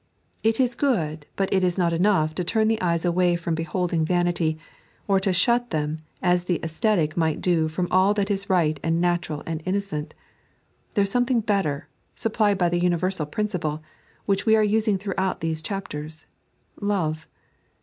It is good, but it is not enough to turn the eyes away from beholding vanity, or to shut them as the ascetic might do from all that is right and natural and innocent. There is something bettor, supplied by the universal principle, which we are using throughout these chapters — Love.